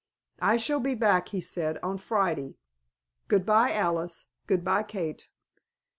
"I shall be back," he said, "on Friday. Goodbye, Alice; goodbye, Kate."